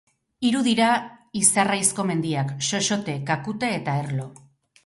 Hiru dira Izarraizko mendiak: Xoxote, Kakute eta Erlo.